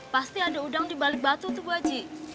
pasti ada udang dibalik batu tuh bu aji